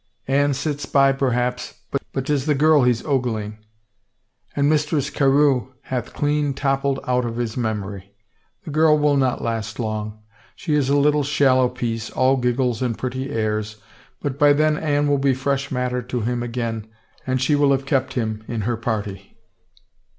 Anne sits by perhaps, but 'tis the girl he's ogling, and Mistress Carewe hath clean toppled 292 THE WRITING ON THE WALL out of his memory. The girl ;will not last long — she is a little shallow piece, all giggles and pretty airs, but by then Anne will be fresh matter to him again and she will have kept him in her party."